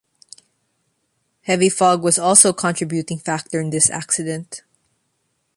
Heavy fog was also a contributing factor in this accident.